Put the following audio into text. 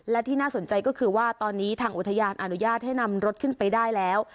และที่น่าสนใจก็คือว่าตอนนี้ทางอุทยานอนุญาตให้นำรถขึ้นไปได้แล้ว